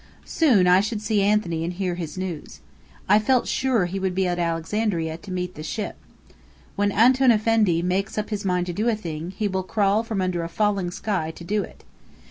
Soon I should see Anthony and hear his news. I felt sure he would be at Alexandria to meet the ship. When "Antoun Effendi" makes up his mind to do a thing, he will crawl from under a falling sky to do it.